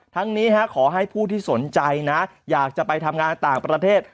ทั้งนี้ขอให้ผู้ที่สนใจนะอยากจะไปทำงานต่างประเทศ